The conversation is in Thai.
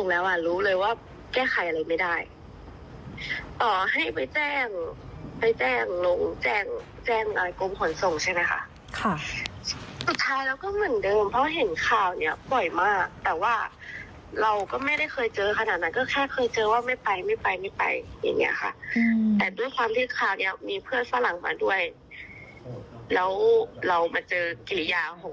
เรามาเจอกิริยาของคนขับรถแบบนี้นะคะ